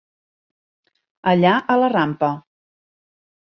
Allà a la rampa.